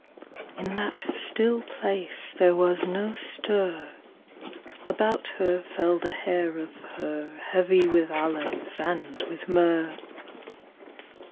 In that still place there was no stir, About her fell the hair of her Heavy with aloes and with myrrh.